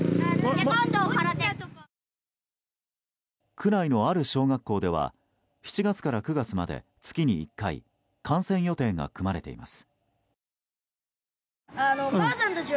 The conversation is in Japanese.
区内の、ある小学校では７月から９月まで月に１回観戦予定が組まれています。